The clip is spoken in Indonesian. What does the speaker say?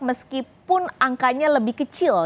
meskipun angkanya lebih kecil